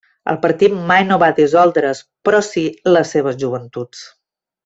El partit mai no va dissoldre's, però sí les seues joventuts.